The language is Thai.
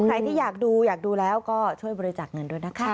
ใครที่อยากดูอยากดูแล้วก็ช่วยบริจาคเงินด้วยนะคะ